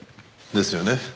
ですよね。